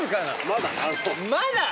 まだ。